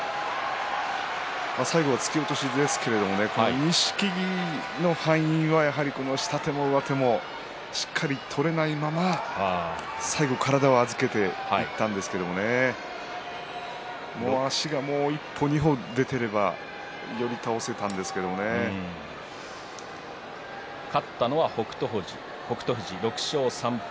最後は突き落とし錦木の敗因はやはり下手も上手もしっかり取れないまま最後、体を預けていったんですが足がもう１歩、２歩出ていれば勝ったのは北勝富士６勝３敗。